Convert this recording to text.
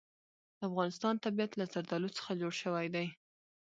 د افغانستان طبیعت له زردالو څخه جوړ شوی دی.